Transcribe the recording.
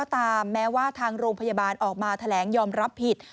ทางโรงพยาบาลออกมาทะแหลงยอมรับผิด